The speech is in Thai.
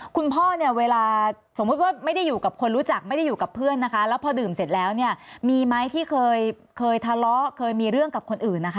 คุณพ่อเนี่ยเวลาสมมุติว่าไม่ได้อยู่กับคนรู้จักไม่ได้อยู่กับเพื่อนนะคะแล้วพอดื่มเสร็จแล้วเนี่ยมีไหมที่เคยทะเลาะเคยมีเรื่องกับคนอื่นนะคะ